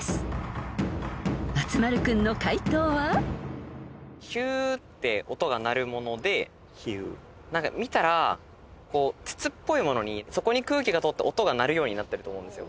［松丸君の解答は］ヒュって音が鳴る物で見たら筒っぽい物にそこに空気が通って音が鳴るようになってると思うんですよ。